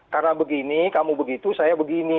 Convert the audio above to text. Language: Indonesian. karena begini kamu begitu saya begini